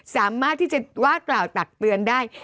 สามารถที่จะว่ากล่าวตักเตือนได้